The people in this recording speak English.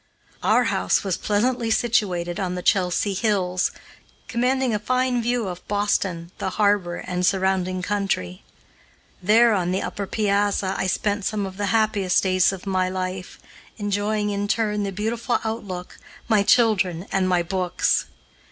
Our house was pleasantly situated on the Chelsea Hills, commanding a fine view of Boston, the harbor, and surrounding country. There, on the upper piazza, I spent some of the happiest days of my life, enjoying, in turn, the beautiful outlook, my children, and my books.